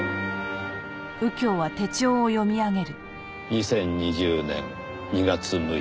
「２０２０年２月６日